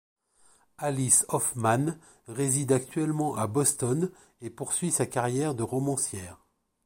Alice Hoffman réside actuellement à Boston et poursuit sa carrière de romancière.